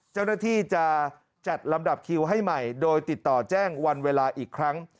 เจ้าหน้าที่จะจัดลำดับคิวให้ใหม่โดยติดต่อแจ้งวันเวลาอีกครั้ง